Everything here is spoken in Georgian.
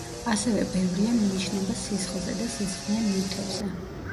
ასევე ბევრია მინიშნება სისხლზე და სისხლიან ნივთებზე.